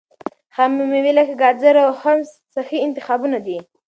خامې مېوې لکه ګاځره او حمص صحي انتخابونه دي.